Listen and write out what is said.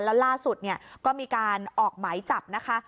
แล้วล่าสุดเนี่ยก็มีการออกหมายจับนะคะ